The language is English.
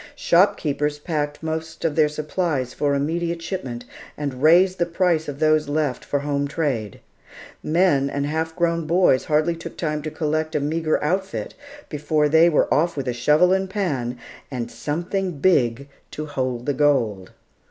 Shopkeepers packed most of their supplies for immediate shipment, and raised the price of those left for home trade. Men and half grown boys hardly took time to collect a meagre outfit before they were off with shovel and pan and "something big to hold the gold."